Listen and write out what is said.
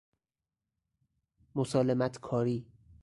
مسالمت کاری